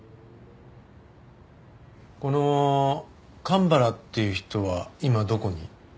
この神原っていう人は今どこに？